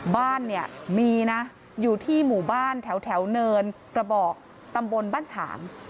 บ้านเนี่ยมีนะอยู่ที่หมู่บ้านแถวเนินกระบอกตำบลบ้านฉาง